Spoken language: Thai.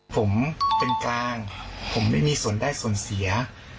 ผมเป็นกลางผมไม่มีส่วนได้ส่วนเสีย